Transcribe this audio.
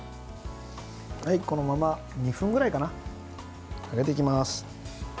このまま２分ぐらい揚げていきます。